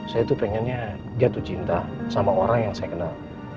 saya tuh pengennya jatuh cinta sama orang yang saya kenal